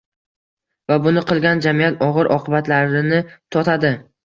Va buni qilgan jamiyat og‘ir oqibatlarini totadi.